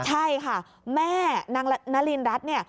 ใช่ค่ะแม่นางนารินรัฐเนี่ย